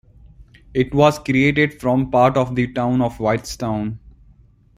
It was created from part of the town of Whitestown.